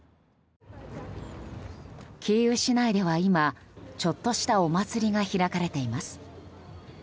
キーウ市内では今ちょっとしたお祭りが開かれています。